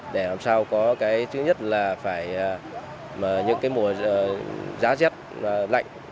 để làm sao có thứ nhất là phải những mùa giá rét lạnh